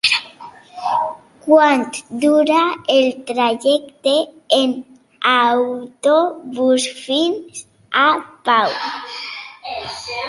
Quant dura el trajecte en autobús fins a Pau?